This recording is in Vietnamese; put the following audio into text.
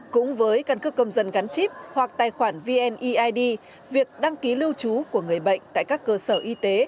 cũng với căn cước công dân gắn chip hoặc tài khoản vneid việc đăng ký lưu trú của người bệnh tại các cơ sở y tế